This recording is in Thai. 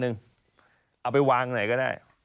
เอาไปวางไหนก็ได้